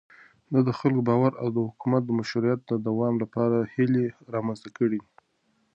ده د خلکو باور او د حکومت مشروعيت د دوام لپاره هيلې رامنځته کړې.